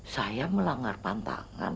saya melanggar pantangan